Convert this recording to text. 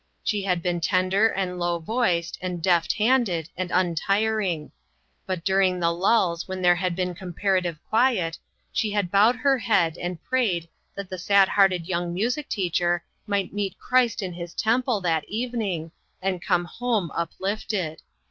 She had been tender and low voiced, and deft handed, and untiring; but during the lulls when there had been comparative quiet, she had bowed her head and prayed that the sad hearted young music teacher might meet Christ in his temple that even ing, and come home up lifted.